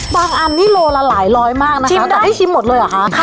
อันนี้โลละหลายร้อยมากนะคะชิมแต่ได้ชิมหมดเลยเหรอคะ